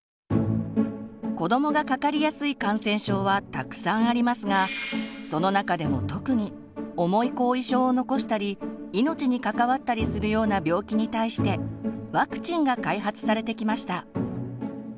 子どもがかかりやすい感染症はたくさんありますがその中でも特に重い後遺症を残したり命に関わったりするような病気に対してワクチンが開発されてきました。